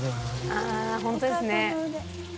あっ本当ですね。